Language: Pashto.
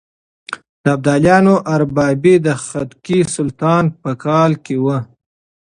د ابدالیانو اربابي د خدکي سلطان په کاله کې وه.